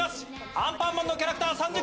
『アンパンマン』の３０キャラクター。